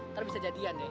ntar bisa jadian ya